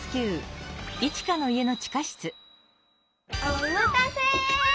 おまたせ！